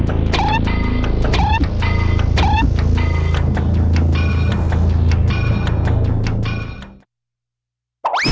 โอ้โหโอ้โหโอ้โหโอ้โห